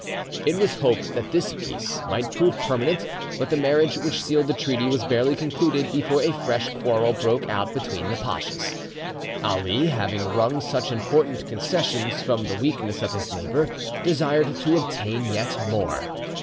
It was hoped that this peace might prove permanent, but the marriage which sealed the treaty was barely concluded before a fresh quarrel broke out between the pachas. Ali, having wrung such important concessions from the weakness of his neighbour, desired to obtain yet more.